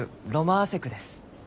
ロマアセクです。